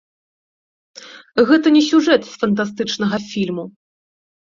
Гэта не сюжэт з фантастычнага фільму.